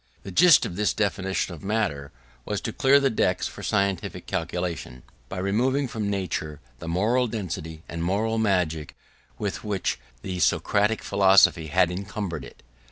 The gist of this definition of matter was to clear the decks for scientific calculation, by removing from nature the moral density and moral magic with which the Socratic philosophy had encumbered it.